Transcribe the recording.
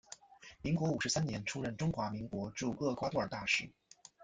民国五十三年出任中华民国驻厄瓜多尔大使。